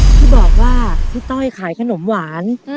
ที่บอกว่าพี่ต้อยขายขนมหวาน